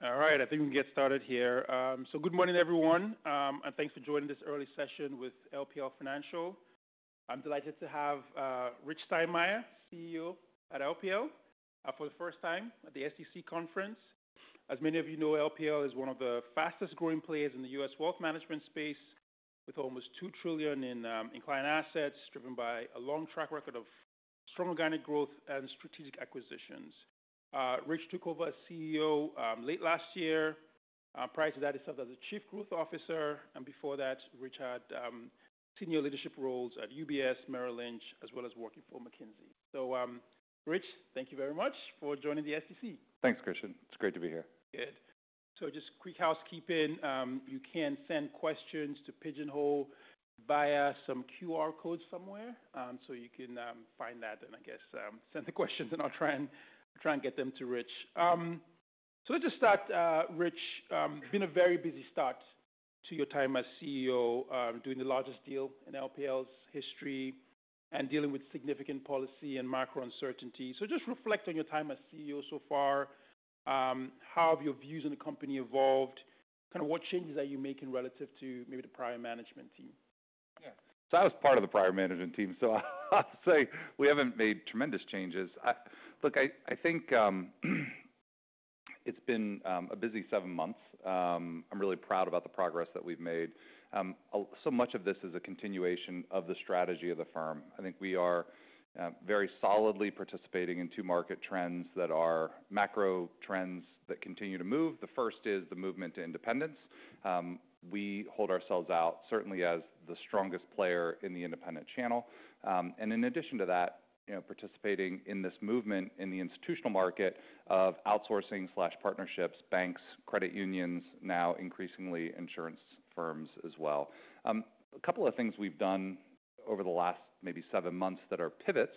All right, I think we can get started here. Good morning, everyone, and thanks for joining this early session with LPL Financial. I'm delighted to have Rich Steinmeier, CEO at LPL, for the first time at the SEC Conference. As many of you know, LPL is one of the fastest-growing players in the US wealth management space, with almost $2 trillion in client assets driven by a long track record of strong organic growth and strategic acquisitions. Rich took over as CEO late last year. Prior to that, he served as Chief Growth Officer. Before that, Rich had senior leadership roles at UBS, Merrill Lynch, as well as working for McKinsey. Rich, thank you very much for joining the SEC. Thanks, Christian. It's great to be here. Good. Just quick housekeeping. You can send questions to Pigeonhole via some QR codes somewhere. You can find that and, I guess, send the questions, and I'll try and get them to Rich. Let's just start, Rich. It's been a very busy start to your time as CEO, doing the largest deal in LPL's history, and dealing with significant policy and macro uncertainty. Just reflect on your time as CEO so far. How have your views on the company evolved? Kind of what changes are you making relative to maybe the prior management team? Yeah. So I was part of the prior management team. I'll say we haven't made tremendous changes. Look, I think it's been a busy seven months. I'm really proud about the progress that we've made. So much of this is a continuation of the strategy of the firm. I think we are very solidly participating in two market trends that are macro trends that continue to move. The first is the movement to independence. We hold ourselves out, certainly as the strongest player in the independent channel. In addition to that, participating in this movement in the institutional market of outsourcing/partnerships, banks, credit unions, now increasingly insurance firms as well. A couple of things we've done over the last maybe seven months that are pivots.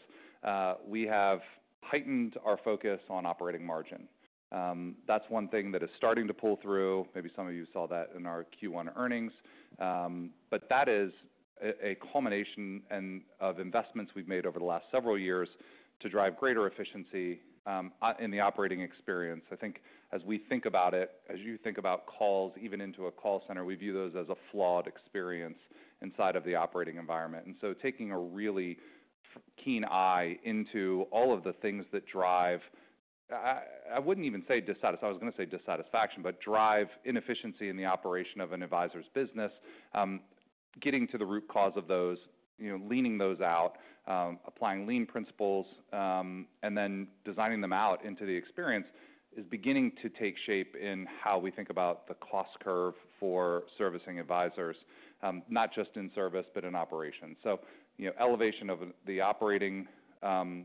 We have heightened our focus on operating margin. That's one thing that is starting to pull through. Maybe some of you saw that in our Q1 earnings. That is a culmination of investments we've made over the last several years to drive greater efficiency in the operating experience. I think as we think about it, as you think about calls, even into a call center, we view those as a flawed experience inside of the operating environment. Taking a really keen eye into all of the things that drive—I would not even say dissatisfaction, I was going to say dissatisfaction—but drive inefficiency in the operation of an advisor's business, getting to the root cause of those, leaning those out, applying lean principles, and then designing them out into the experience is beginning to take shape in how we think about the cost curve for servicing advisors, not just in service, but in operations. Elevation of the operating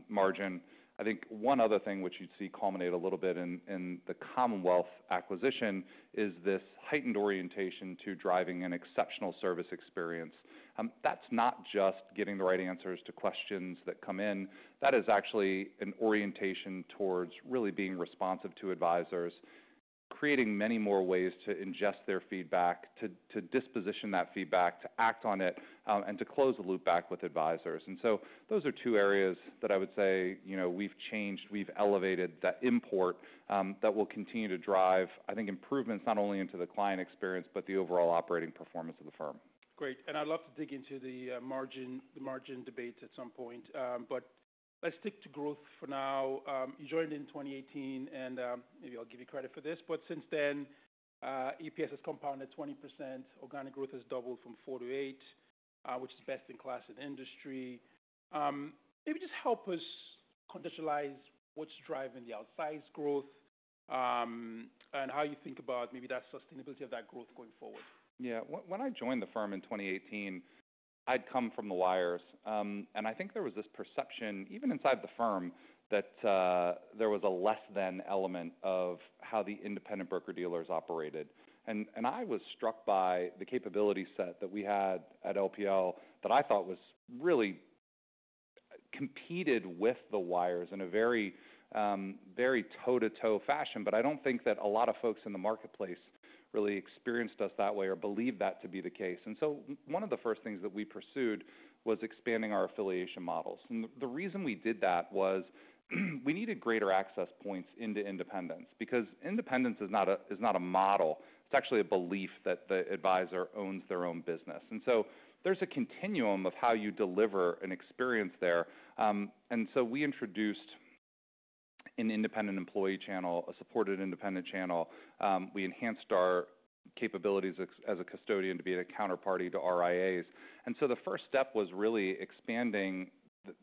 margin. I think one other thing which you'd see culminate a little bit in the Commonwealth acquisition is this heightened orientation to driving an exceptional service experience. That's not just getting the right answers to questions that come in. That is actually an orientation towards really being responsive to advisors, creating many more ways to ingest their feedback, to disposition that feedback, to act on it, and to close the loop back with advisors. Those are two areas that I would say we've changed, we've elevated that import that will continue to drive, I think, improvements not only into the client experience, but the overall operating performance of the firm. Great. I would love to dig into the margin debate at some point. Let's stick to growth for now. You joined in 2018, and maybe I will give you credit for this. Since then, EPS has compounded 20%. Organic growth has doubled from 4% -8%, which is best in class in the industry. Maybe just help us contextualize what is driving the outsized growth and how you think about the sustainability of that growth going forward. Yeah. When I joined the firm in 2018, I'd come from the wires. I think there was this perception, even inside the firm, that there was a less-than element of how the independent broker-dealers operated. I was struck by the capability set that we had at LPL that I thought really competed with the wires in a very toe-to-toe fashion. I don't think that a lot of folks in the marketplace really experienced us that way or believed that to be the case. One of the first things that we pursued was expanding our affiliation models. The reason we did that was we needed greater access points into independence because independence is not a model. It's actually a belief that the advisor owns their own business. There's a continuum of how you deliver an experience there. We introduced an independent employee channel, a supported independent channel. We enhanced our capabilities as a custodian to be a counterparty to RIAs. The first step was really expanding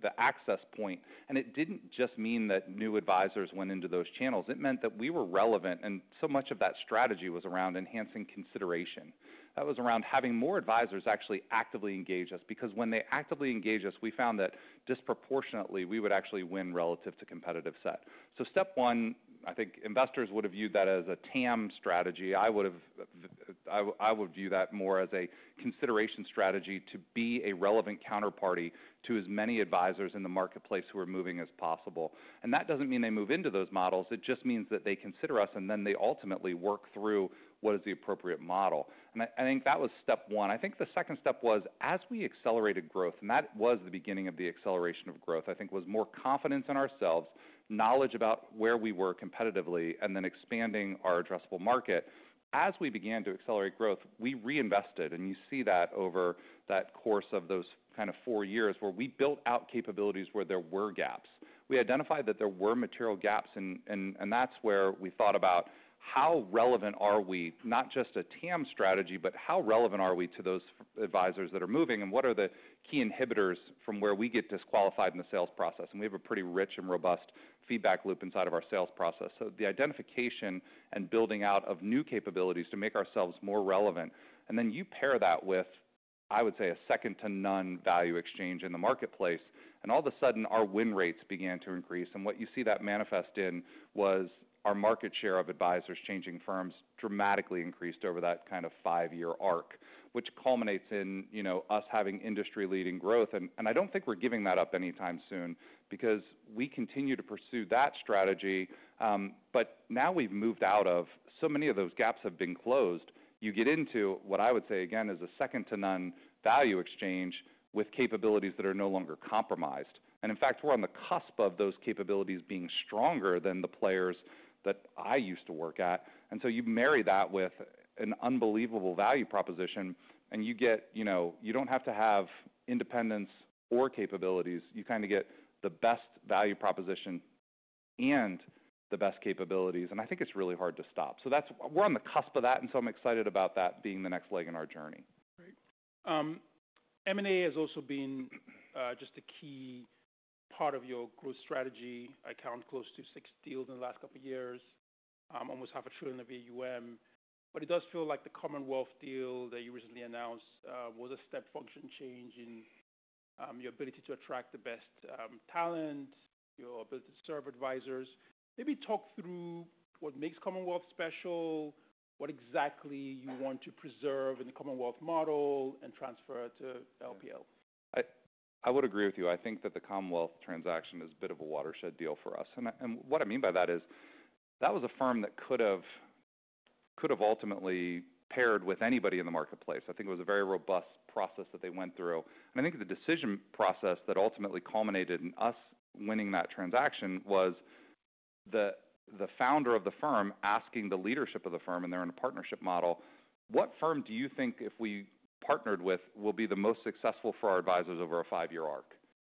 the access point. It did not just mean that new advisors went into those channels. It meant that we were relevant. Much of that strategy was around enhancing consideration. That was around having more advisors actually actively engage us because when they actively engage us, we found that disproportionately we would actually win relative to competitive set. Step one, I think investors would have viewed that as a TAM strategy. I would view that more as a consideration strategy to be a relevant counterparty to as many advisors in the marketplace who are moving as possible. That does not mean they move into those models. It just means that they consider us, and then they ultimately work through what is the appropriate model. I think that was step one. I think the second step was, as we accelerated growth, and that was the beginning of the acceleration of growth, I think was more confidence in ourselves, knowledge about where we were competitively, and then expanding our addressable market. As we began to accelerate growth, we reinvested. You see that over that course of those kind of four years where we built out capabilities where there were gaps. We identified that there were material gaps, and that is where we thought about how relevant are we, not just a TAM strategy, but how relevant are we to those advisors that are moving, and what are the key inhibitors from where we get disqualified in the sales process. We have a pretty rich and robust feedback loop inside of our sales process. The identification and building out of new capabilities to make ourselves more relevant, you pair that with, I would ssecond-to-none value exchange in the marketplace. All of a sudden, our win rates began to increase. What you see that manifest in was our market share of advisors changing firms dramatically increased over that kind of five-year arc, which culminates in us having industry-leading growth. I do not think we are giving that up anytime soon because we continue to pursue that strategy. Now we have moved out of so many of those gaps have been closed. You get into what I would say, again, is a second-to-none value exchange with capabilities that are no longer compromised. In fact, we're on the cusp of those capabilities being stronger than the players that I used to work at. You marry that with an unbelievable value proposition, and you don't have to have independence or capabilities. You kind of get the best value proposition and the best capabilities. I think it's really hard to stop. We're on the cusp of that, and I'm excited about that being the next leg in our journey. Great. M&A has also been just a key part of your growth strategy. I count close to six deals in the last couple of years, almost half a trillion of EUM. It does feel like the Commonwealth deal that you recently announced was a step function change in your ability to attract the best talent, your ability to serve advisors. Maybe talk through what makes Commonwealth special, what exactly you want to preserve in the Commonwealth model and transfer to LPL. I would agree with you. I think that the Commonwealth transaction is a bit of a watershed deal for us. What I mean by that is that was a firm that could have ultimately paired with anybody in the marketplace. I think it was a very robust process that they went through. I think the decision process that ultimately culminated in us winning that transaction was the founder of the firm asking the leadership of the firm, and they're in a partnership model, "What firm do you think if we partnered with will be the most successful for our advisors over a five-year arc?"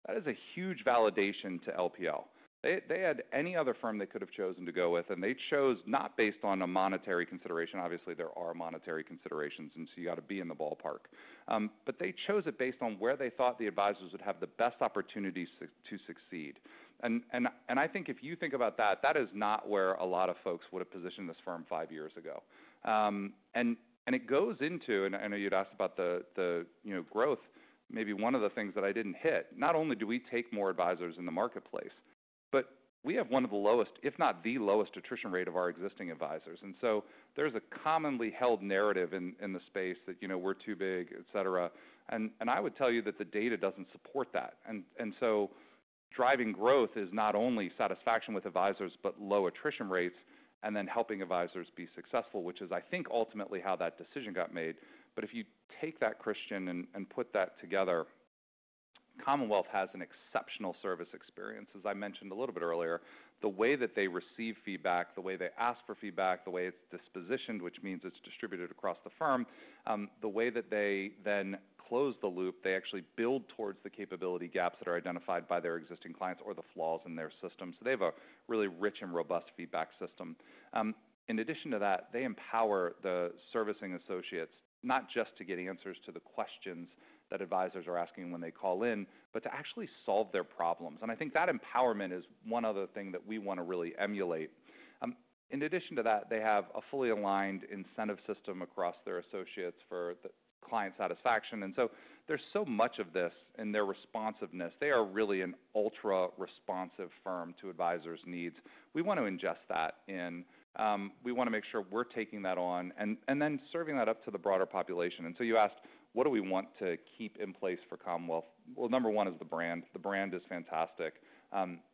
That is a huge validation to LPL. They had any other firm they could have chosen to go with, and they chose not based on a monetary consideration. Obviously, there are monetary considerations, and so you got to be in the ballpark. They chose it based on where they thought the advisors would have the best opportunity to succeed. I think if you think about that, that is not where a lot of folks would have positioned this firm five years ago. It goes into, and I know you'd asked about the growth, maybe one of the things that I didn't hit. Not only do we take more advisors in the marketplace, but we have one of the lowest, if not the lowest, attrition rate of our existing advisors. There is a commonly held narrative in the space that we're too big, etc. I would tell you that the data doesn't support that. Driving growth is not only satisfaction with advisors, but low attrition rates, and then helping advisors be successful, which is, I think, ultimately how that decision got made. If you take that, Christian, and put that together, Commonwealth has an exceptional service experience. As I mentioned a little bit earlier, the way that they receive feedback, the way they ask for feedback, the way it is dispositioned, which means it is distributed across the firm, the way that they then close the loop, they actually build towards the capability gaps that are identified by their existing clients or the flaws in their system. They have a really rich and robust feedback system. In addition to that, they empower the servicing associates not just to get answers to the questions that advisors are asking when they call in, but to actually solve their problems. I think that empowerment is one other thing that we want to really emulate. In addition to that, they have a fully aligned incentive system across their associates for the client satisfaction. There is so much of this in their responsiveness. They are really an ultra-responsive firm to advisors' needs. We want to ingest that in. We want to make sure we are taking that on and then serving that up to the broader population. You asked, what do we want to keep in place for Commonwealth? Number one is the brand. The brand is fantastic.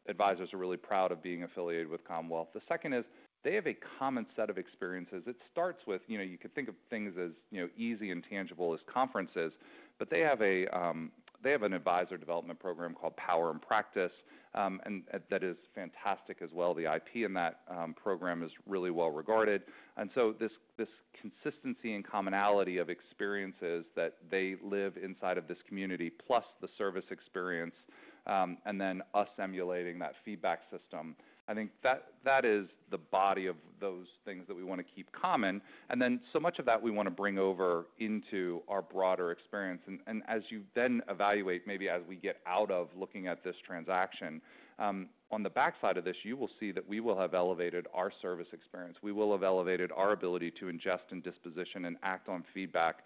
Advisors are really proud of being affiliated with Commonwealth. The second is they have a common set of experiences. It starts with you could think of things as easy and tangible as conferences, but they have an advisor development program called Power and Practice that is fantastic as well. The IP in that program is really well regarded. This consistency and commonality of experiences that they live inside of this community, plus the service experience, and then us emulating that feedback system, I think that is the body of those things that we want to keep common. So much of that we want to bring over into our broader experience. As you then evaluate, maybe as we get out of looking at this transaction, on the backside of this, you will see that we will have elevated our service experience. We will have elevated our ability to ingest and disposition and act on feedback.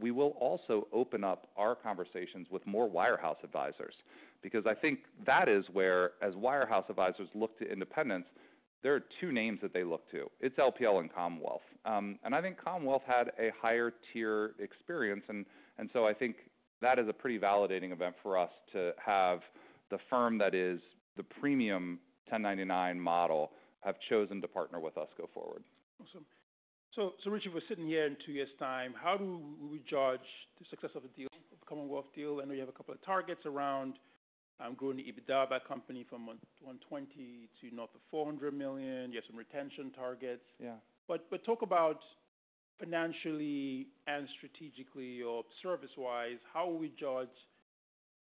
We will also open up our conversations with more wirehouse advisors because I think that is where, as wirehouse advisors look to independence, there are two names that they look to. It's LPL and Commonwealth. I think Commonwealth had a higher tier experience. I think that is a pretty validating event for us to have the firm that is the premium 1099 model have chosen to partner with us go forward. Awesome. So Richard, we're sitting here in two years' time. How do we judge the success of the deal, the Commonwealth deal? I know you have a couple of targets around growing the EBITDA of that company from $120 million to [north] of $400 million. You have some retention targets. Talk about financially and strategically or service-wise, how will we judge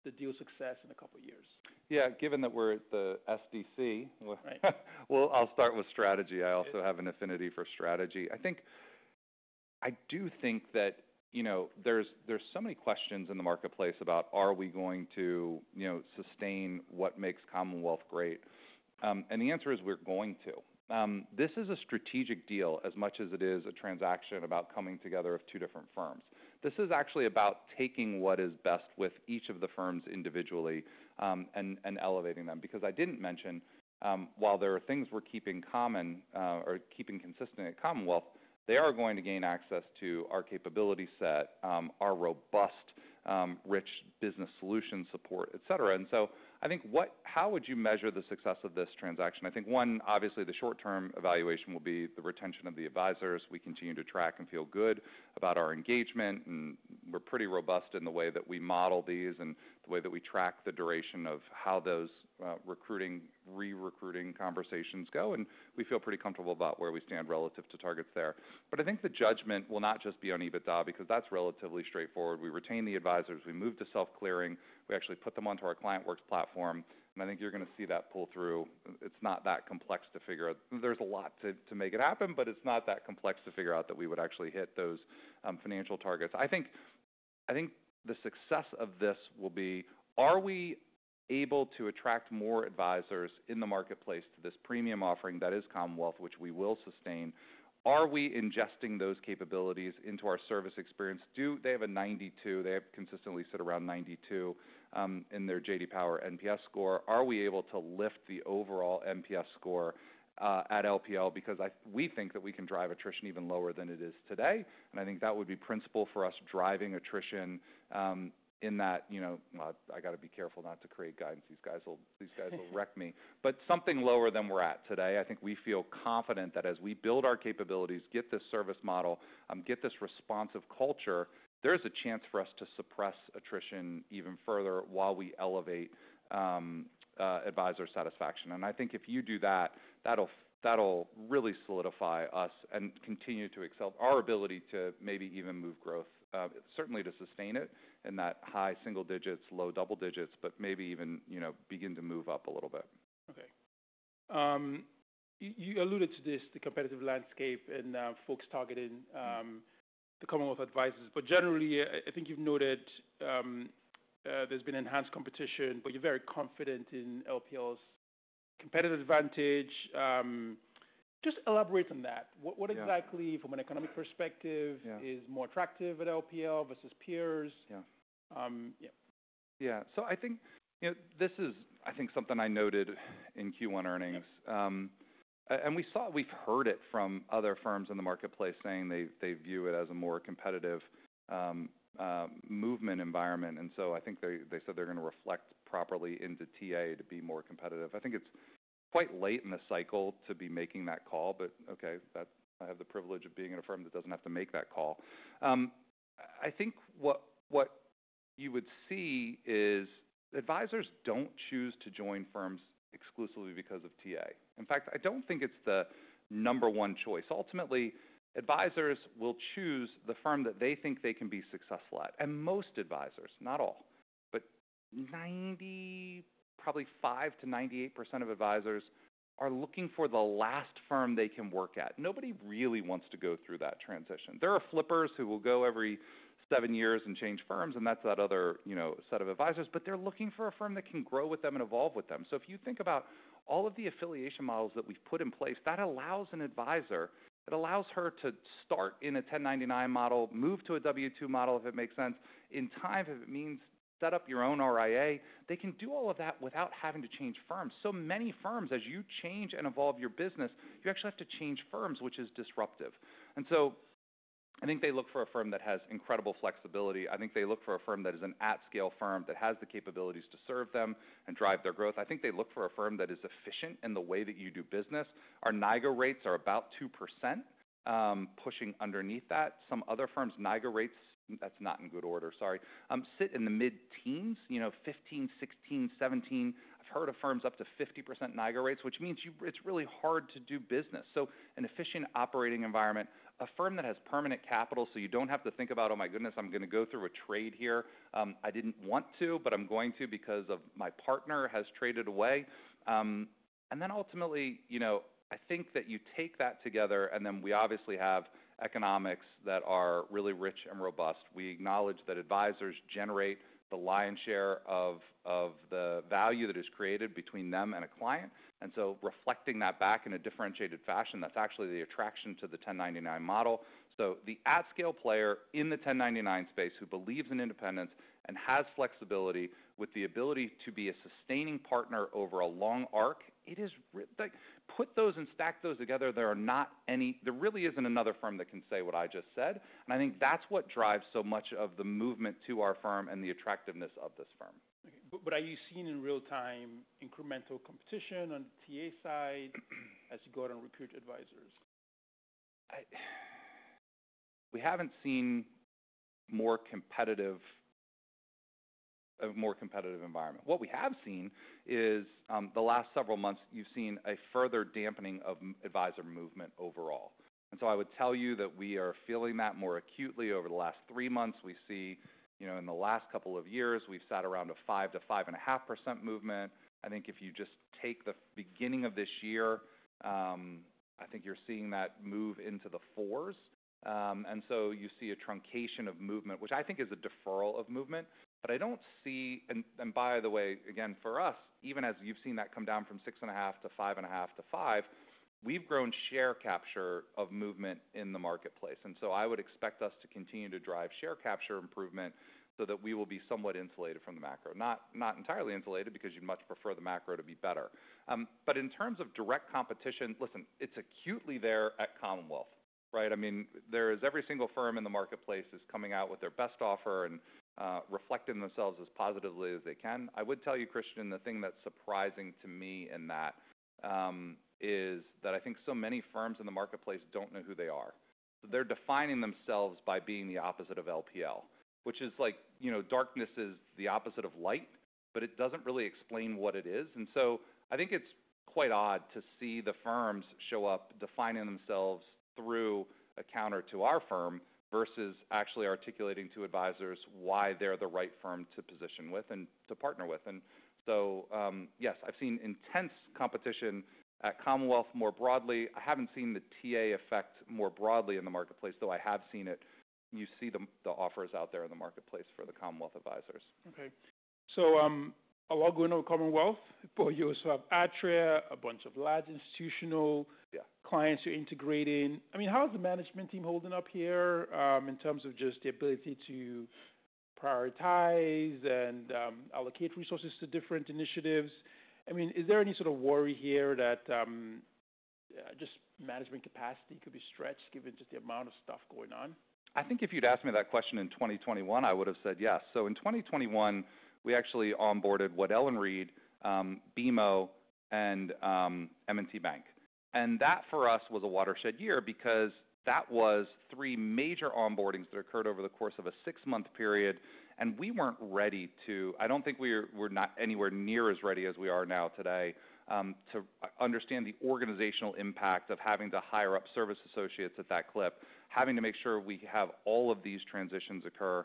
the deal's success in a couple of years? Yeah. Given that we're at the SDC, I'll start with strategy. I also have an affinity for strategy. I do think that there's so many questions in the marketplace about, are we going to sustain what makes Commonwealth great? The answer is we're going to. This is a strategic deal as much as it is a transaction about coming together of two different firms. This is actually about taking what is best with each of the firms individually and elevating them. Because I didn't mention, while there are things we're keeping common or keeping consistent at Commonwealth, they are going to gain access to our capability set, our robust, rich business solution support, etc. I think, how would you measure the success of this transaction? I think one, obviously, the short-term evaluation will be the retention of the advisors. We continue to track and feel good about our engagement. We're pretty robust in the way that we model these and the way that we track the duration of how those recruiting, re-recruiting conversations go. We feel pretty comfortable about where we stand relative to targets there. I think the judgment will not just be on EBITDA because that's relatively straightforward. We retain the advisors. We move to self-clearing. We actually put them onto our ClientWorks platform. I think you're going to see that pull through. It's not that complex to figure out. There's a lot to make it happen, but it's not that complex to figure out that we would actually hit those financial targets. I think the success of this will be, are we able to attract more advisors in the marketplace to this premium offering that is Commonwealth, which we will sustain? Are we ingesting those capabilities into our service experience? They have a 92. They have consistently sit around 92 in their J.D. Power NPS score. Are we able to lift the overall NPS score at LPL? We think that we can drive attrition even lower than it is today. I think that would be principal for us driving attrition in that, I got to be careful not to create guidance. These guys will wreck me. Something lower than we're at today. I think we feel confident that as we build our capabilities, get this service model, get this responsive culture, there is a chance for us to suppress attrition even further while we elevate advisor satisfaction. I think if you do that, that'll really solidify us and continue to excel our ability to maybe even move growth, certainly to sustain it in that high single digits, low double digits, but maybe even begin to move up a little bit. Okay. You alluded to this, the competitive landscape and folks targeting the Commonwealth advisors. Generally, I think you've noted there's been enhanced competition, but you're very confident in LPL's competitive advantage. Just elaborate on that. What exactly, from an economic perspective, is more attractive at LPL versus peers? Yeah. Yeah. I think this is, I think, something I noted in Q1 earnings. We've heard it from other firms in the marketplace saying they view it as a more competitive movement environment. I think they said they're going to reflect properly into TA to be more competitive. I think it's quite late in the cycle to be making that call. Okay, I have the privilege of being in a firm that doesn't have to make that call. I think what you would see is advisors don't choose to join firms exclusively because of TA. In fact, I don't think it's the number one choice. Ultimately, advisors will choose the firm that they think they can be successful at. Most advisors, not all, but probably 5%-98% of advisors are looking for the last firm they can work at. Nobody really wants to go through that transition. There are flippers who will go every seven years and change firms, and that's that other set of advisors. They're looking for a firm that can grow with them and evolve with them. If you think about all of the affiliation models that we've put in place, that allows an advisor, it allows her to start in a 1099 model, move to a W-2 model, if it makes sense, in time if it means set up your own RIA. They can do all of that without having to change firms. So many firms, as you change and evolve your business, you actually have to change firms, which is disruptive. I think they look for a firm that has incredible flexibility. I think they look for a firm that is an at-scale firm that has the capabilities to serve them and drive their growth. I think they look for a firm that is efficient in the way that you do business. Our NIGA rates are about 2%, pushing underneath that. Some other firms, NIGA rates, that's not in good order, sorry, sit in the mid-teens, 15%, 16%, 17%. I've heard of firms up to 50% NIGA rates, which means it's really hard to do business. An efficient operating environment, a firm that has permanent capital, so you do not have to think about, "Oh my goodness, I'm going to go through a trade here. I did not want to, but I'm going to because my partner has traded away." Ultimately, I think that you take that together, and then we obviously have economics that are really rich and robust. We acknowledge that advisors generate the lion's share of the value that is created between them and a client. Reflecting that back in a differentiated fashion, that's actually the attraction to the 1099 model. The at-scale player in the 1099 space who believes in independence and has flexibility with the ability to be a sustaining partner over a long arc, put those and stack those together. There really isn't another firm that can say what I just said. I think that's what drives so much of the movement to our firm and the attractiveness of this firm. Are you seeing in real-time incremental competition on the TA side as you go out and recruit advisors? We haven't seen a more competitive environment. What we have seen is the last several months, you've seen a further dampening of advisor movement overall. I would tell you that we are feeling that more acutely over the last three months. We see in the last couple of years, we've sat around a 5%-5.5% movement. I think if you just take the beginning of this year, I think you're seeing that move into the fours. You see a truncation of movement, which I think is a deferral of movement. I don't see, and by the way, again, for us, even as you've seen that come down from 6.5% to 5.5% to 5%, we've grown share capture of movement in the marketplace. I would expect us to continue to drive share capture improvement so that we will be somewhat insulated from the macro. Not entirely insulated because you'd much prefer the macro to be better. In terms of direct competition, listen, it's acutely there at Commonwealth, right? I mean, every single firm in the marketplace is coming out with their best offer and reflecting themselves as positively as they can. I would tell you, Christian, the thing that's surprising to me in that is that I think so many firms in the marketplace don't know who they are. They're defining themselves by being the opposite of LPL, which is like darkness is the opposite of light, but it doesn't really explain what it is. I think it's quite odd to see the firms show up defining themselves through a counter to our firm versus actually articulating to advisors why they're the right firm to position with and to partner with. Yes, I've seen intense competition at Commonwealth more broadly. I haven't seen the TA effect more broadly in the marketplace, though I have seen it. You see the offers out there in the marketplace for the Commonwealth advisors. Okay. So a lot going on with Commonwealth. You also have Atria, a bunch of large institutional clients you're integrating. I mean, how's the management team holding up here in terms of just the ability to prioritize and allocate resources to different initiatives? I mean, is there any sort of worry here that just management capacity could be stretched given just the amount of stuff going on? I think if you'd asked me that question in 2021, I would have said yes. In 2021, we actually onboarded Waddell & Reed, BMO, and M&T Bank. That for us was a watershed year because that was three major onboardings that occurred over the course of a six-month period. We were not ready to, I do not think we were anywhere near as ready as we are now today to understand the organizational impact of having to hire up service associates at that clip, having to make sure we have all of these transitions occur.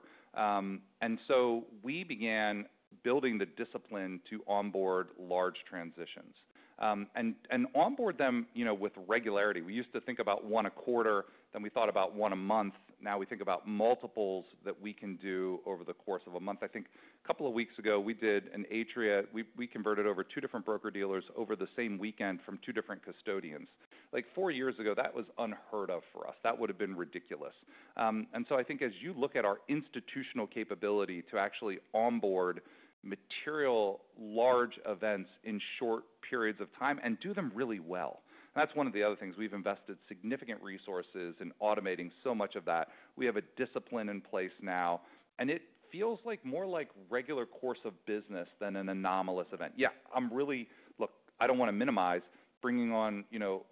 We began building the discipline to onboard large transitions and onboard them with regularity. We used to think about one a quarter. We thought about one a month. Now we think about multiples that we can do over the course of a month. I think a couple of weeks ago, we did an Atria. We converted over two different broker-dealers over the same weekend from two different custodians. Like four years ago, that was unheard of for us. That would have been ridiculous. I think as you look at our institutional capability to actually onboard material large events in short periods of time and do them really well. That's one of the other things. We've invested significant resources in automating so much of that. We have a discipline in place now. It feels more like regular course of business than an anomalous event. Yeah, I'm really, look, I don't want to minimize. Bringing on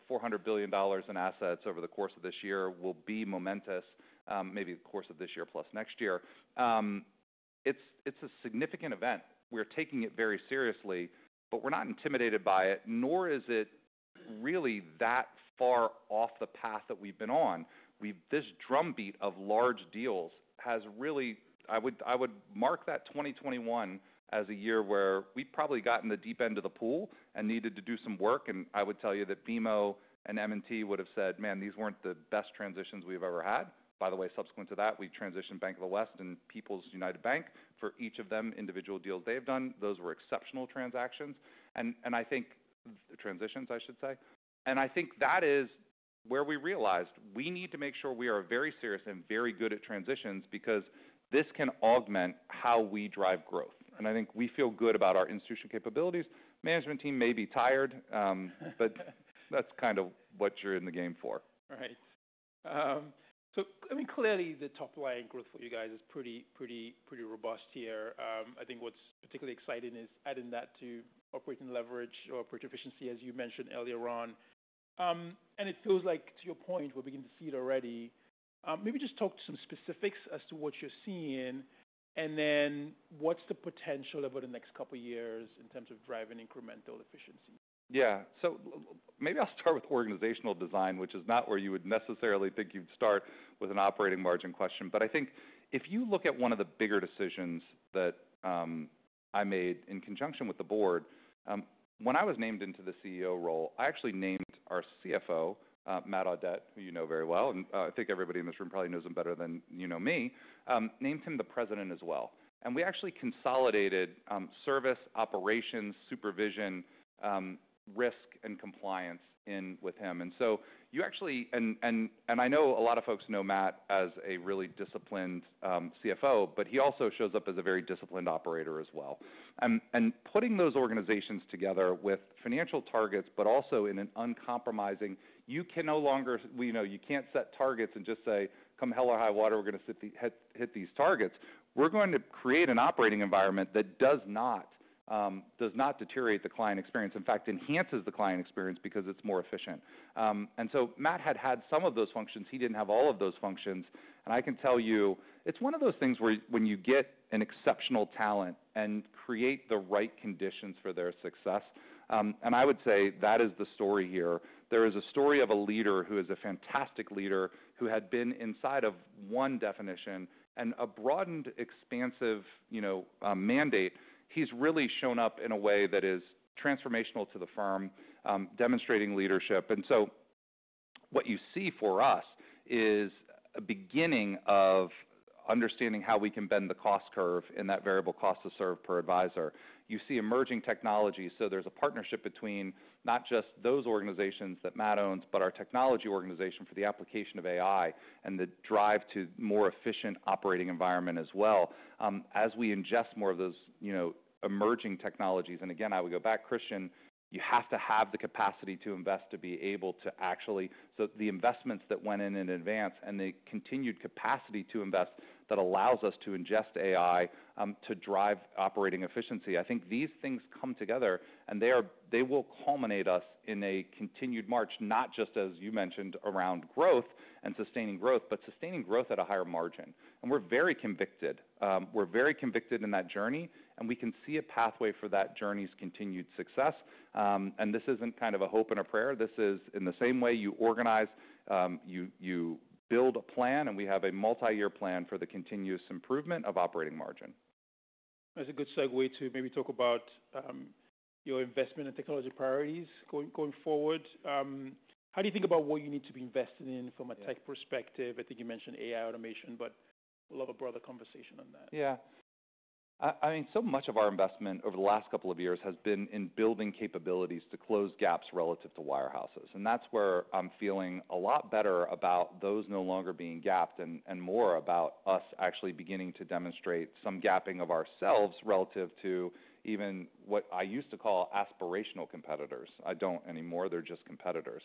$400 billion in assets over the course of this year will be momentous, maybe the course of this year plus next year. It's a significant event. We're taking it very seriously, but we're not intimidated by it, nor is it really that far off the path that we've been on. This drumbeat of large deals has really, I would mark that 2021 as a year where we've probably gotten the deep end of the pool and needed to do some work. I would tell you that BMO and M&T would have said, "Man, these weren't the best transitions we've ever had." By the way, subsequent to that, we transitioned Bank of the West and People's United Bank. For each of them, individual deals they've done, those were exceptional transactions. I think transitions, I should say. I think that is where we realized we need to make sure we are very serious and very good at transitions because this can augment how we drive growth. I think we feel good about our institutional capabilities. Management team may be tired, but that's kind of what you're in the game for. Right. I mean, clearly, the top line growth for you guys is pretty robust here. I think what is particularly exciting is adding that to operating leverage or operating efficiency, as you mentioned earlier on. It feels like, to your point, we are beginning to see it already. Maybe just talk to some specifics as to what you are seeing. What is the potential over the next couple of years in terms of driving incremental efficiency? Yeah. Maybe I'll start with organizational design, which is not where you would necessarily think you'd start with an operating margin question. I think if you look at one of the bigger decisions that I made in conjunction with the board, when I was named into the CEO role, I actually named our CFO, Matt Audette, who you know very well. I think everybody in this room probably knows him better than you know me, named him the president as well. We actually consolidated service, operations, supervision, risk, and compliance in with him. You actually, and I know a lot of folks know Matt as a really disciplined CFO, but he also shows up as a very disciplined operator as well. Putting those organizations together with financial targets, but also in an uncompromising, you can no longer, you can't set targets and just say, "Come hell or high water, we're going to hit these targets." We are going to create an operating environment that does not deteriorate the client experience. In fact, enhances the client experience because it's more efficient. Matt had had some of those functions. He didn't have all of those functions. I can tell you, it's one of those things where when you get an exceptional talent and create the right conditions for their success. I would say that is the story here. There is a story of a leader who is a fantastic leader who had been inside of one definition and a broadened, expansive mandate. He's really shown up in a way that is transformational to the firm, demonstrating leadership. What you see for us is a beginning of understanding how we can bend the cost curve in that variable cost to serve per advisor. You see emerging technology. There is a partnership between not just those organizations that Matt owns, but our technology organization for the application of AI and the drive to a more efficient operating environment as well as we ingest more of those emerging technologies. I would go back, Christian, you have to have the capacity to invest to be able to actually, so the investments that went in in advance and the continued capacity to invest that allows us to ingest AI to drive operating efficiency. I think these things come together, and they will culminate us in a continued march, not just as you mentioned around growth and sustaining growth, but sustaining growth at a higher margin. We're very convicted. We're very convicted in that journey. We can see a pathway for that journey's continued success. This isn't kind of a hope and a prayer. This is in the same way you organize, you build a plan, and we have a multi-year plan for the continuous improvement of operating margin. That's a good segue to maybe talk about your investment and technology priorities going forward. How do you think about what you need to be invested in from a tech perspective? I think you mentioned AI automation, but we'll have a broader conversation on that. Yeah. I mean, so much of our investment over the last couple of years has been in building capabilities to close gaps relative to wirehouses. That's where I'm feeling a lot better about those no longer being gapped and more about us actually beginning to demonstrate some gapping of ourselves relative to even what I used to call aspirational competitors. I don't anymore. They're just competitors.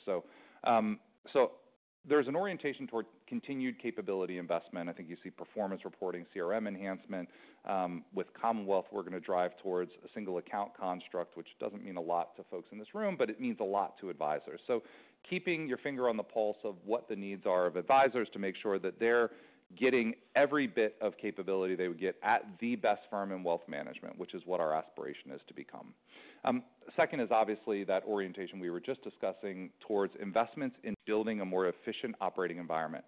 There's an orientation toward continued capability investment. I think you see performance reporting, CRM enhancement. With Commonwealth, we're going to drive towards a single account construct, which doesn't mean a lot to folks in this room, but it means a lot to advisors. Keeping your finger on the pulse of what the needs are of advisors to make sure that they're getting every bit of capability they would get at the best firm in wealth management, which is what our aspiration is to become. Second is obviously that orientation we were just discussing towards investments in building a more efficient operating environment.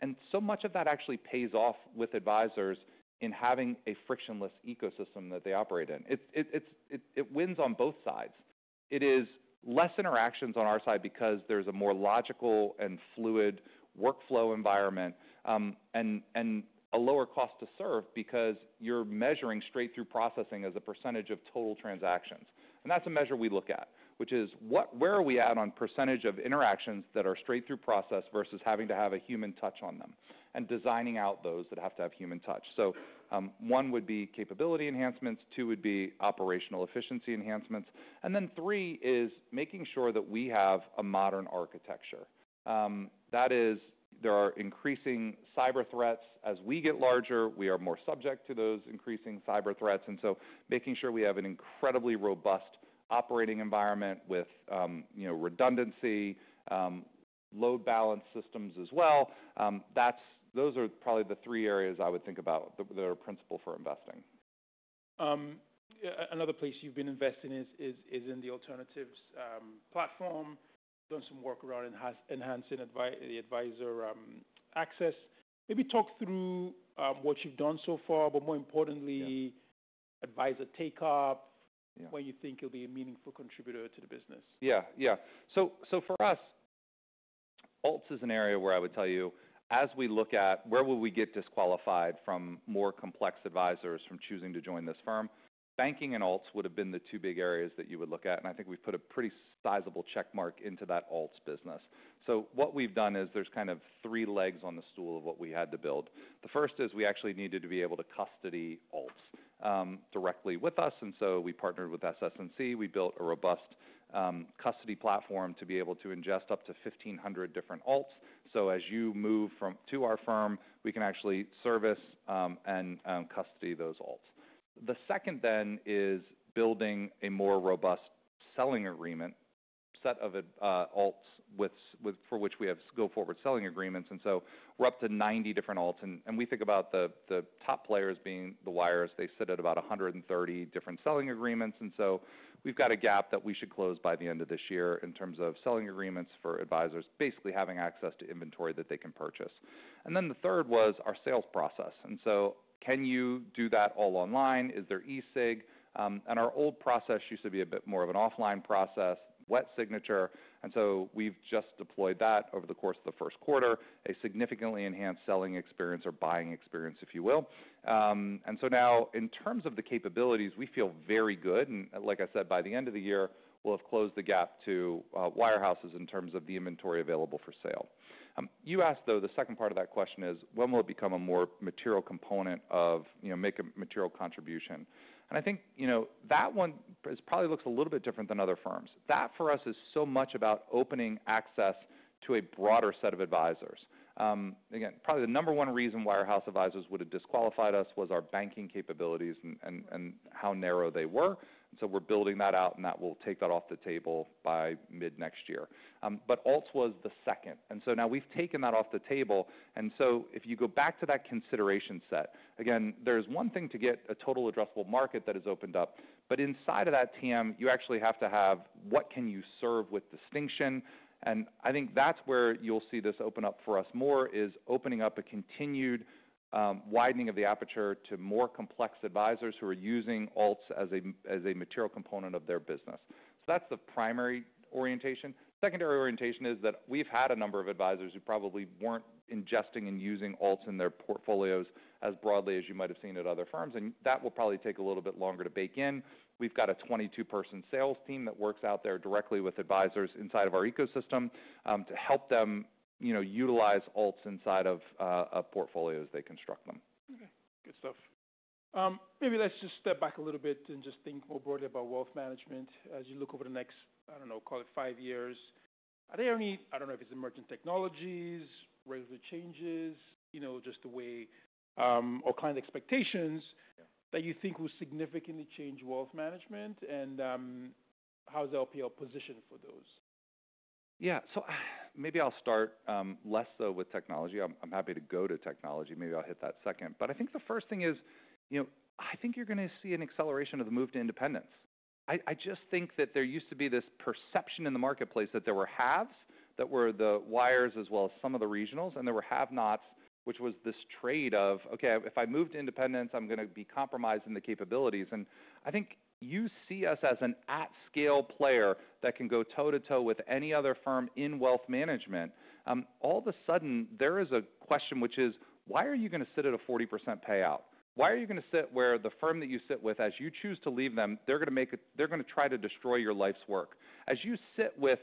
And so much of that actually pays off with advisors in having a frictionless ecosystem that they operate in. It wins on both sides. It is less interactions on our side because there's a more logical and fluid workflow environment and a lower cost to serve because you're measuring straight-through processing as a percentage of total transactions. That's a measure we look at, which is where are we at on percentage of interactions that are straight-through process versus having to have a human touch on them and designing out those that have to have human touch. One would be capability enhancements. Two would be operational efficiency enhancements. Three is making sure that we have a modern architecture. That is, there are increasing cyber threats. As we get larger, we are more subject to those increasing cyber threats. Making sure we have an incredibly robust operating environment with redundancy, load balance systems as well. Those are probably the three areas I would think about that are principal for investing. Another place you've been investing is in the alternatives platform, done some work around enhancing the advisor access. Maybe talk through what you've done so far, but more importantly, advisor take-up, when you think you'll be a meaningful contributor to the business. Yeah, yeah. For us, Alts is an area where I would tell you, as we look at where will we get disqualified from more complex advisors from choosing to join this firm, banking and Alts would have been the two big areas that you would look at. I think we've put a pretty sizable checkmark into that Alts business. What we've done is there's kind of three legs on the stool of what we had to build. The first is we actually needed to be able to custody Alts directly with us. We partnered with SS&C. We built a robust custody platform to be able to ingest up to 1,500 different Alts. As you move to our firm, we can actually service and custody those Alts. The second then is building a more robust selling agreement set of Alts for which we have to go forward selling agreements. We are up to 90 different Alts. We think about the top players being the wires. They sit at about 130 different selling agreements. We have a gap that we should close by the end of this year in terms of selling agreements for advisors, basically having access to inventory that they can purchase. The third was our sales process. Can you do that all online? Is there eSIG? Our old process used to be a bit more of an offline process, wet signature. We have just deployed that over the course of the first quarter, a significantly enhanced selling experience or buying experience, if you will. In terms of the capabilities, we feel very good. Like I said, by the end of the year, we'll have closed the gap to wirehouses in terms of the inventory available for sale. You asked, though, the second part of that question is, when will it become a more material component or make a material contribution? I think that one probably looks a little bit different than other firms. That for us is so much about opening access to a broader set of advisors. Again, probably the number one reason wirehouse advisors would have disqualified us was our banking capabilities and how narrow they were. We're building that out, and that will take that off the table by mid-next year. Alts was the second. Now we've taken that off the table. If you go back to that consideration set, again, there's one thing to get a total addressable market that has opened up. Inside of that TAM, you actually have to have what can you serve with distinction. I think that's where you'll see this open up for us more, opening up a continued widening of the aperture to more complex advisors who are using Alts as a material component of their business. That's the primary orientation. Secondary orientation is that we've had a number of advisors who probably weren't ingesting and using Alts in their portfolios as broadly as you might have seen at other firms. That will probably take a little bit longer to bake in. We've got a 22-person sales team that works out there directly with advisors inside of our ecosystem to help them utilize Alts inside of portfolios they construct them. Okay. Good stuff. Maybe let's just step back a little bit and just think more broadly about wealth management as you look over the next, I don't know, call it five years. Are there any, I don't know if it's emerging technologies, regulatory changes, just the way or client expectations that you think will significantly change wealth management? How is LPL positioned for those? Yeah. Maybe I'll start less, though, with technology. I'm happy to go to technology. Maybe I'll hit that second. I think the first thing is I think you're going to see an acceleration of the move to independence. I just think that there used to be this perception in the marketplace that there were haves that were the wires as well as some of the regionals, and there were have-nots, which was this trade of, "Okay, if I move to independence, I'm going to be compromised in the capabilities." I think you see us as an at-scale player that can go toe-to-toe with any other firm in wealth management. All of a sudden, there is a question, which is, why are you going to sit at a 40% payout? Why are you going to sit where the firm that you sit with, as you choose to leave them, they're going to try to destroy your life's work? As you sit with,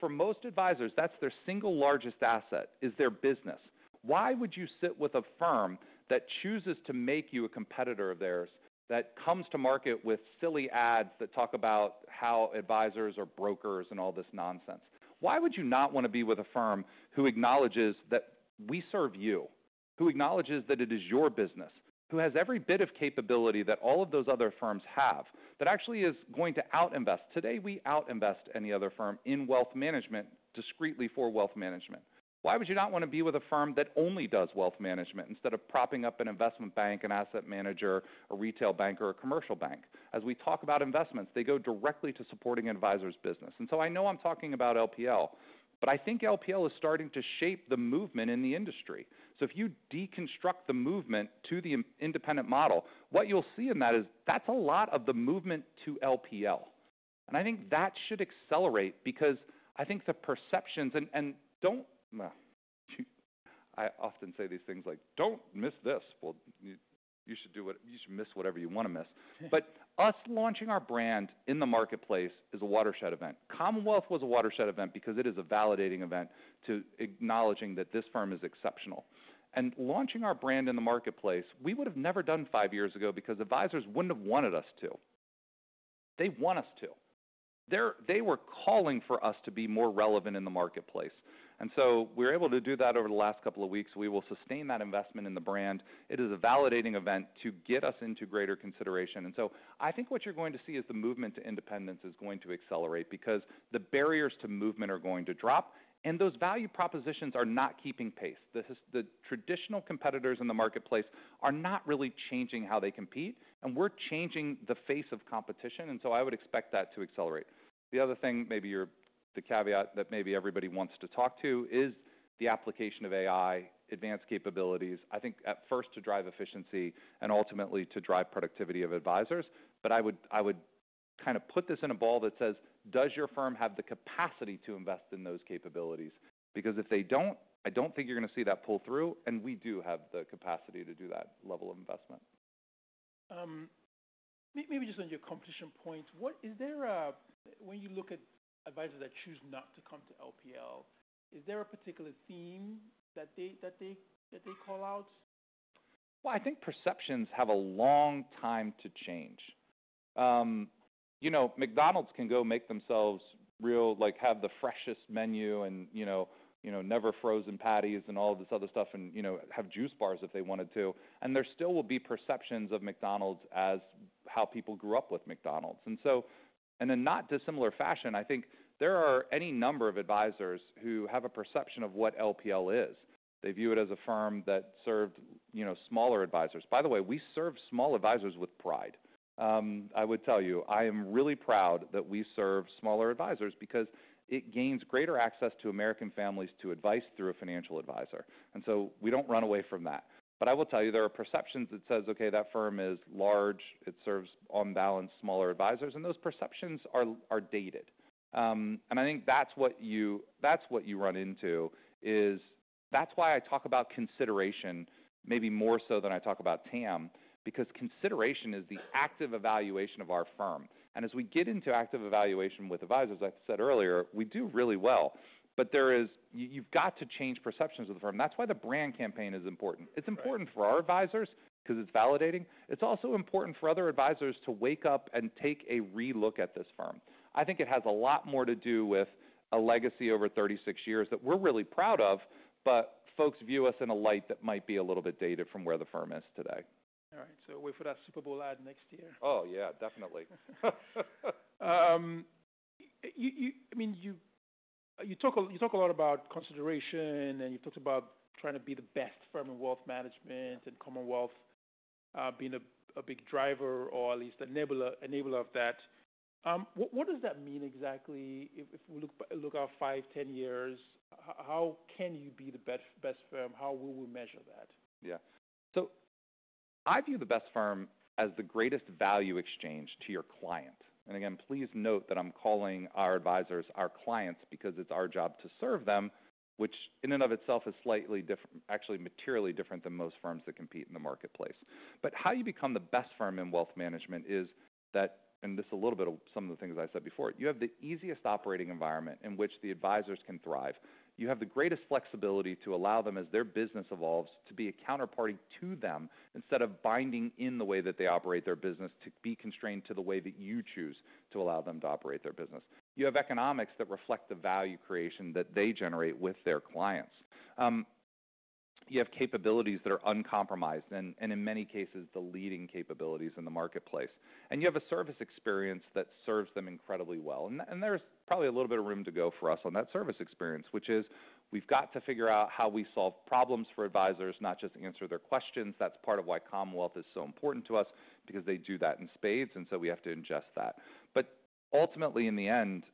for most advisors, that's their single largest asset, is their business. Why would you sit with a firm that chooses to make you a competitor of theirs that comes to market with silly ads that talk about how advisors are brokers and all this nonsense? Why would you not want to be with a firm who acknowledges that we serve you, who acknowledges that it is your business, who has every bit of capability that all of those other firms have, that actually is going to out-invest? Today, we out-invest any other firm in wealth management discreetly for wealth management. Why would you not want to be with a firm that only does wealth management instead of propping up an investment bank, an asset manager, a retail bank, or a commercial bank? As we talk about investments, they go directly to supporting advisors' business. I know I'm talking about LPL, but I think LPL is starting to shape the movement in the industry. If you deconstruct the movement to the independent model, what you'll see in that is that's a lot of the movement to LPL. I think that should accelerate because I think the perceptions and don't I often say these things like, "Don't miss this." You should miss whatever you want to miss. Us launching our brand in the marketplace is a watershed event. Commonwealth was a watershed event because it is a validating event to acknowledging that this firm is exceptional. Launching our brand in the marketplace, we would have never done five years ago because advisors would not have wanted us to. They want us to. They were calling for us to be more relevant in the marketplace. We are able to do that over the last couple of weeks. We will sustain that investment in the brand. It is a validating event to get us into greater consideration. I think what you are going to see is the movement to independence is going to accelerate because the barriers to movement are going to drop, and those value propositions are not keeping pace. The traditional competitors in the marketplace are not really changing how they compete, and we are changing the face of competition. I would expect that to accelerate. The other thing, maybe the caveat that maybe everybody wants to talk to is the application of AI, advanced capabilities, I think at first to drive efficiency and ultimately to drive productivity of advisors. I would kind of put this in a ball that says, does your firm have the capacity to invest in those capabilities? Because if they do not, I do not think you are going to see that pull through. We do have the capacity to do that level of investment. Maybe just on your competition point, is there a, when you look at advisors that choose not to come to LPL, is there a particular theme that they call out? I think perceptions have a long time to change. McDonald's can go make themselves real, have the freshest menu and never-frozen patties and all of this other stuff and have juice bars if they wanted to. There still will be perceptions of McDonald's as how people grew up with McDonald's. In not dissimilar fashion, I think there are any number of advisors who have a perception of what LPL is. They view it as a firm that served smaller advisors. By the way, we serve small advisors with pride. I would tell you, I am really proud that we serve smaller advisors because it gains greater access to American families to advice through a financial advisor. We do not run away from that. I will tell you, there are perceptions that says, "Okay, that firm is large. It serves on-balance smaller advisors. Those perceptions are outdated. I think that's what you run into, that's why I talk about consideration maybe more so than I talk about TAM because consideration is the active evaluation of our firm. As we get into active evaluation with advisors, like I said earlier, we do really well. You have to change perceptions of the firm. That's why the brand campaign is important. It's important for our advisors because it's validating. It's also important for other advisors to wake up and take a re-look at this firm. I think it has a lot more to do with a legacy over 36 years that we're really proud of, but folks view us in a light that might be a little bit dated from where the firm is today. All right. So wait for that Super Bowl ad next year. Oh, yeah, definitely. I mean, you talk a lot about consideration, and you've talked about trying to be the best firm in wealth management and Commonwealth being a big driver or at least an enabler of that. What does that mean exactly? If we look out 5, 10 years, how can you be the best firm? How will we measure that? Yeah. I view the best firm as the greatest value exchange to your client. Again, please note that I'm calling our advisors our clients because it's our job to serve them, which in and of itself is slightly different, actually materially different than most firms that compete in the marketplace. How you become the best firm in wealth management is that, and this is a little bit of some of the things I said before, you have the easiest operating environment in which the advisors can thrive. You have the greatest flexibility to allow them, as their business evolves, to be a counterparty to them instead of binding in the way that they operate their business to be constrained to the way that you choose to allow them to operate their business. You have economics that reflect the value creation that they generate with their clients. You have capabilities that are uncompromised and, in many cases, the leading capabilities in the marketplace. You have a service experience that serves them incredibly well. There is probably a little bit of room to go for us on that service experience, which is we have to figure out how we solve problems for advisors, not just answer their questions. That is part of why Commonwealth is so important to us because they do that in spades. We have to ingest that. Ultimately, in the end,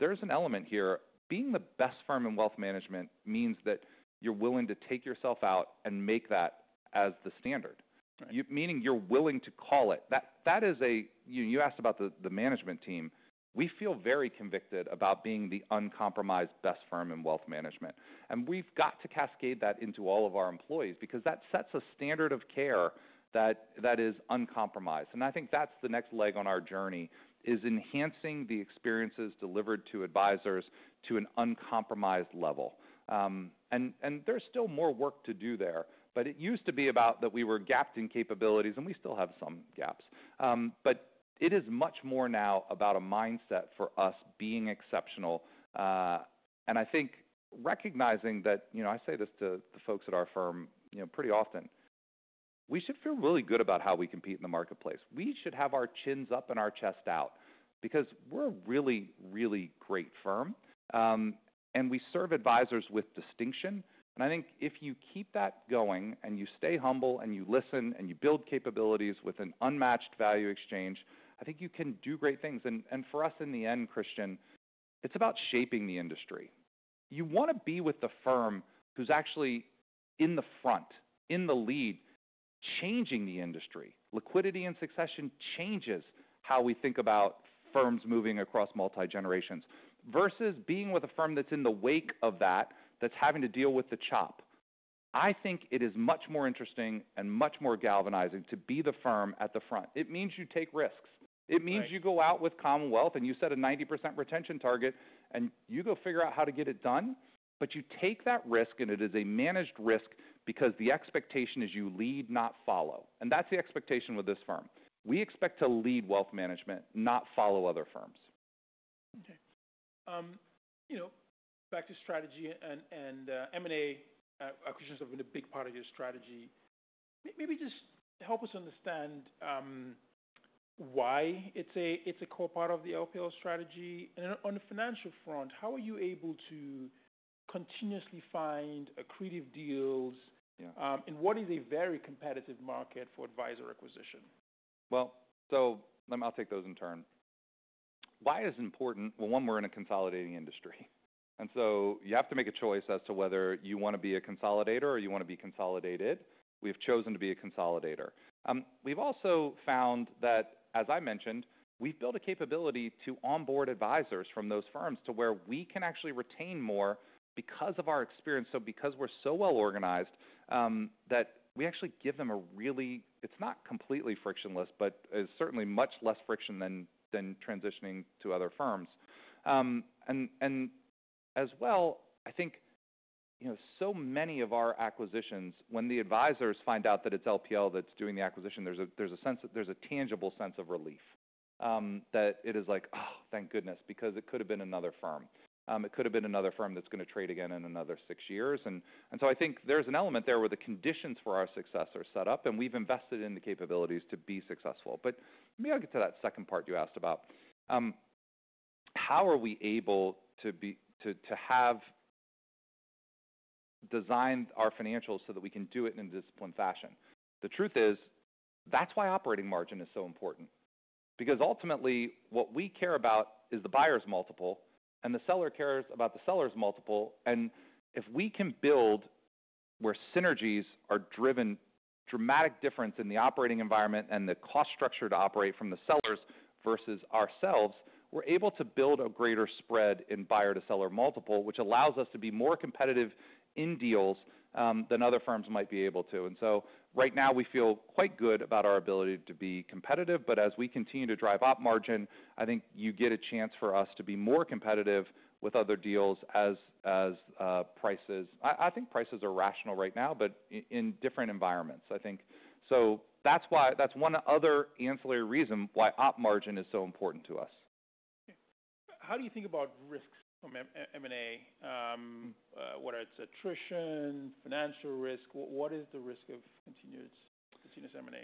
there is an element here. Being the best firm in wealth management means that you are willing to take yourself out and make that as the standard, meaning you are willing to call it. You asked about the management team. We feel very convicted about being the uncompromised best firm in wealth management. We have got to cascade that into all of our employees because that sets a standard of care that is uncompromised. I think that is the next leg on our journey, enhancing the experiences delivered to advisors to an uncompromised level. There is still more work to do there. It used to be about that we were gapped in capabilities, and we still have some gaps. It is much more now about a mindset for us being exceptional. I think, recognizing that, I say this to the folks at our firm pretty often, we should feel really good about how we compete in the marketplace. We should have our chins up and our chest out because we are a really, really great firm, and we serve advisors with distinction. I think if you keep that going and you stay humble and you listen and you build capabilities with an unmatched value exchange, I think you can do great things. For us, in the end, Christian, it's about shaping the industry. You want to be with the firm who's actually in the front, in the lead, changing the industry. Liquidity and succession changes how we think about firms moving across multi-generations versus being with a firm that's in the wake of that, that's having to deal with the chop. I think it is much more interesting and much more galvanizing to be the firm at the front. It means you take risks. It means you go out with Commonwealth, and you set a 90% retention target, and you go figure out how to get it done. You take that risk, and it is a managed risk because the expectation is you lead, not follow. That is the expectation with this firm. We expect to lead wealth management, not follow other firms. Okay. Back to strategy and M&A. Acquisitions have been a big part of your strategy. Maybe just help us understand why it's a core part of the LPL strategy. On the financial front, how are you able to continuously find accretive deals? What is a very competitive market for advisor acquisition? I'll take those in turn. Why is it important? One, we're in a consolidating industry. You have to make a choice as to whether you want to be a consolidator or you want to be consolidated. We have chosen to be a consolidator. We've also found that, as I mentioned, we've built a capability to onboard advisors from those firms to where we can actually retain more because of our experience. Because we're so well organized, we actually give them a really, it's not completely frictionless, but it's certainly much less friction than transitioning to other firms. I think so many of our acquisitions, when the advisors find out that it's LPL that's doing the acquisition, there's a tangible sense of relief that it is like, "Oh, thank goodness," because it could have been another firm. It could have been another firm that's going to trade again in another six years. I think there's an element there where the conditions for our success are set up, and we've invested in the capabilities to be successful. Maybe I'll get to that second part you asked about. How are we able to have designed our financials so that we can do it in a disciplined fashion? The truth is that's why operating margin is so important because ultimately what we care about is the buyer's multiple, and the seller cares about the seller's multiple. If we can build where synergies are driven, dramatic difference in the operating environment and the cost structure to operate from the sellers versus ourselves, we're able to build a greater spread in buyer-to-seller multiple, which allows us to be more competitive in deals than other firms might be able to. Right now, we feel quite good about our ability to be competitive. As we continue to drive up margin, I think you get a chance for us to be more competitive with other deals as prices—I think prices are rational right now, but in different environments, I think. That's one other ancillary reason why up margin is so important to us. How do you think about risks from M&A? Whether it's attrition, financial risk, what is the risk of continuous M&A?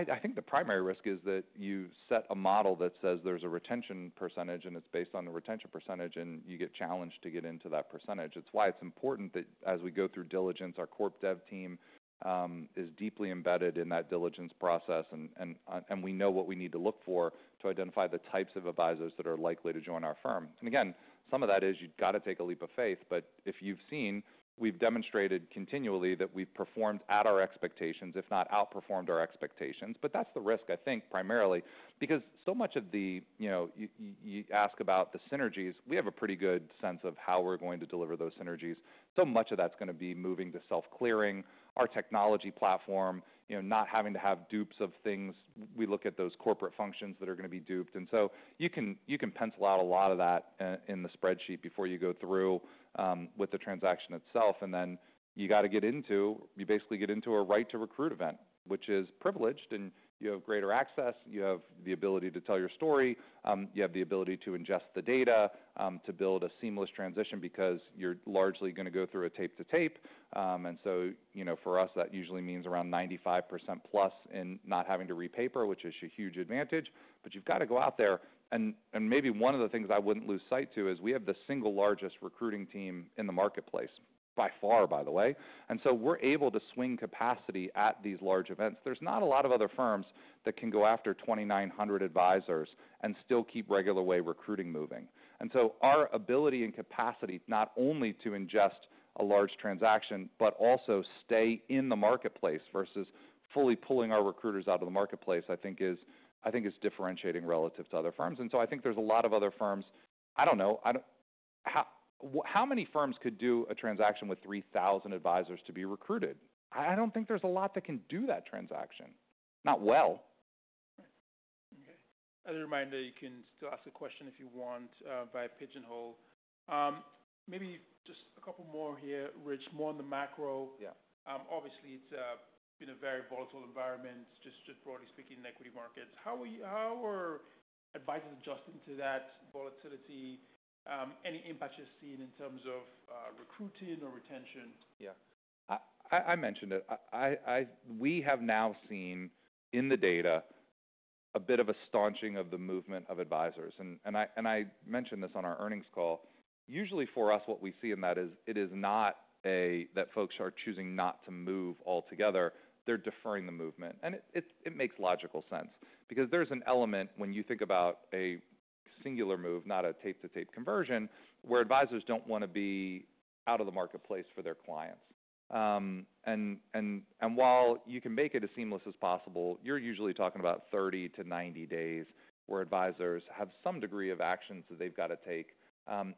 I think the primary risk is that you set a model that says there's a retention percentage, and it's based on the retention percentage, and you get challenged to get into that percentage. It's why it's important that as we go through diligence, our CorpDev team is deeply embedded in that diligence process, and we know what we need to look for to identify the types of advisors that are likely to join our firm. Again, some of that is you've got to take a leap of faith. If you've seen, we've demonstrated continually that we've performed at our expectations, if not outperformed our expectations. That's the risk, I think, primarily because so much of the you ask about the synergies, we have a pretty good sense of how we're going to deliver those synergies. Much of that is going to be moving to self-clearing, our technology platform, not having to have dupes of things. We look at those corporate functions that are going to be duped. You can pencil out a lot of that in the spreadsheet before you go through with the transaction itself. You get into a right-to-recruit event, which is privileged, and you have greater access. You have the ability to tell your story. You have the ability to ingest the data to build a seamless transition because you are largely going to go through a tape-to-tape. For us, that usually means around 95%+ in not having to repaper, which is a huge advantage. You have to go out there. Maybe one of the things I would not lose sight of is we have the single largest recruiting team in the marketplace by far, by the way. We are able to swing capacity at these large events. There are not a lot of other firms that can go after 2,900 advisors and still keep regular way recruiting moving. Our ability and capacity not only to ingest a large transaction, but also stay in the marketplace versus fully pulling our recruiters out of the marketplace, I think is differentiating relative to other firms. I think there are a lot of other firms. I do not know. How many firms could do a transaction with 3,000 advisors to be recruited? I do not think there are a lot that can do that transaction, not well. Okay. As a reminder, you can still ask a question if you want via Pigeonhole. Maybe just a couple more here, Rich, more on the macro. Obviously, it's been a very volatile environment, just broadly speaking, in equity markets. How are advisors adjusting to that volatility? Any impact you've seen in terms of recruiting or retention? Yeah. I mentioned it. We have now seen in the data a bit of a staunching of the movement of advisors. I mentioned this on our earnings call. Usually, for us, what we see in that is it is not that folks are choosing not to move altogether. They're deferring the movement. It makes logical sense because there's an element when you think about a singular move, not a tape-to-tape conversion, where advisors do not want to be out of the marketplace for their clients. While you can make it as seamless as possible, you're usually talking about 30-90 days where advisors have some degree of actions that they've got to take.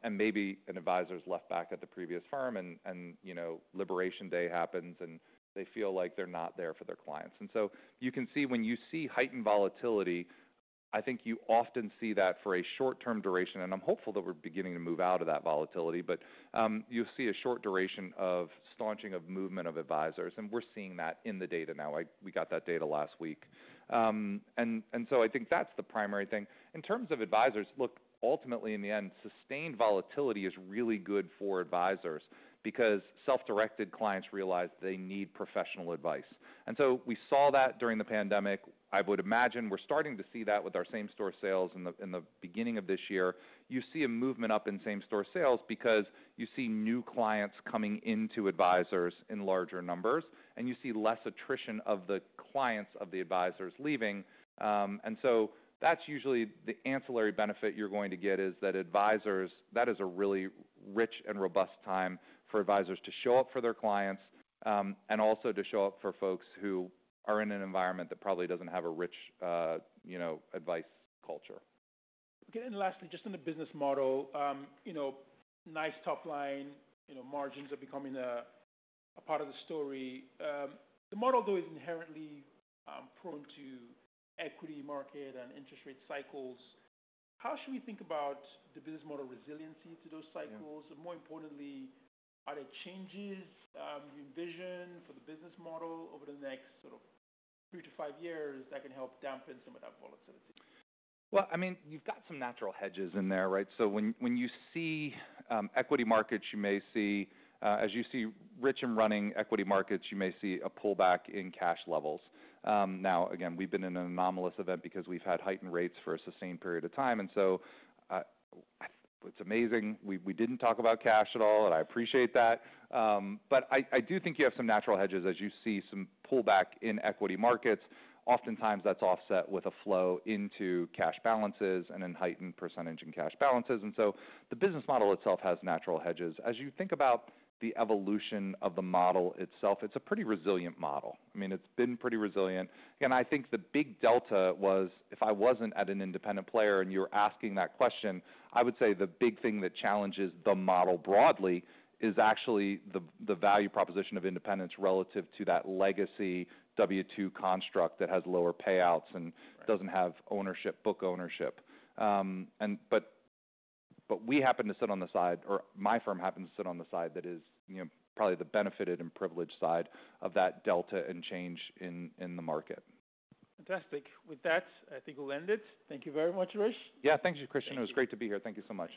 Maybe an advisor is left back at the previous firm, and liberation day happens, and they feel like they're not there for their clients. You can see when you see heightened volatility, I think you often see that for a short-term duration. I am hopeful that we are beginning to move out of that volatility. You will see a short duration of staunching of movement of advisors. We are seeing that in the data now. We got that data last week. I think that is the primary thing. In terms of advisors, look, ultimately, in the end, sustained volatility is really good for advisors because self-directed clients realize they need professional advice. We saw that during the pandemic. I would imagine we are starting to see that with our same-store sales in the beginning of this year. You see a movement up in same-store sales because you see new clients coming into advisors in larger numbers, and you see less attrition of the clients of the advisors leaving. That's usually the ancillary benefit you're going to get is that advisors, that is a really rich and robust time for advisors to show up for their clients and also to show up for folks who are in an environment that probably doesn't have a rich advice culture. Okay. Lastly, just on the business model, nice top line, margins are becoming a part of the story. The model, though, is inherently prone to equity market and interest rate cycles. How should we think about the business model resiliency to those cycles? More importantly, are there changes you envision for the business model over the next sort of 3-5 years that can help dampen some of that volatility? I mean, you've got some natural hedges in there, right? So when you see equity markets, you may see, as you see rich and running equity markets, you may see a pullback in cash levels. Now, again, we've been in an anomalous event because we've had heightened rates for a sustained period of time. It's amazing. We didn't talk about cash at all, and I appreciate that. I do think you have some natural hedges as you see some pullback in equity markets. Oftentimes, that's offset with a flow into cash balances and then heightened percentage in cash balances. The business model itself has natural hedges. As you think about the evolution of the model itself, it's a pretty resilient model. I mean, it's been pretty resilient. I think the big delta was if I was not at an independent player and you were asking that question, I would say the big thing that challenges the model broadly is actually the value proposition of independence relative to that legacy W-2 construct that has lower payouts and does not have ownership, book ownership. We happen to sit on the side, or my firm happens to sit on the side that is probably the benefited and privileged side of that delta and change in the market. Fantastic. With that, I think we'll end it. Thank you very much, Rich. Yeah. Thank you, Christian. It was great to be here. Thank you so much.